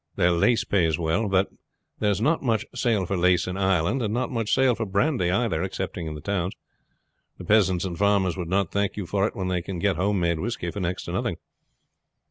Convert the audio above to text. There lace pays well; but there is not much sale for lace in Ireland, and not much sale for brandy either, excepting in the towns. The peasants and farmers would not thank you for it when they can get home made whisky for next to nothing."